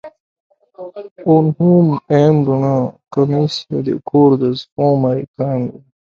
Un home amb una camisa de quadres fuma i camina.